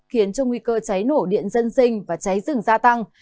khiến cho nguy cơ cháy nổ điện dân sinh và cháy rừng gia tăng